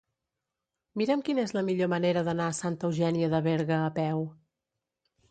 Mira'm quina és la millor manera d'anar a Santa Eugènia de Berga a peu.